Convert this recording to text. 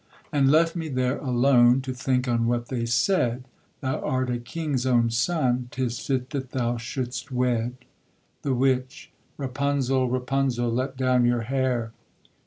And left me there alone, To think on what they said: 'Thou art a king's own son, 'Tis fit that thou should'st wed.' THE WITCH. Rapunzel, Rapunzel, Let down your hair!